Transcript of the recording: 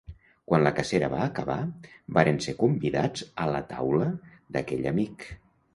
Quan la cacera va acabar, varen ser convidats a la taula d'aquell amic.